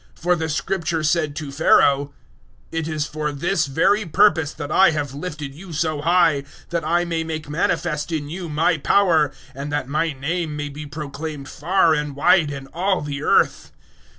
For the Scripture said to Pharaoh, 009:017 "It is for this very purpose that I have lifted you so high that I may make manifest in you My power, and that My name may be proclaimed far and wide in all the earth."